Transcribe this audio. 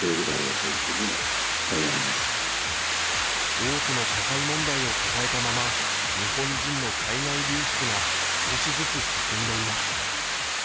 多くの社会問題を抱えたまま日本人の海外流出が少しずつ進んでいます。